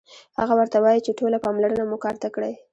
هغه ورته وايي چې ټوله پاملرنه مو کار ته کړئ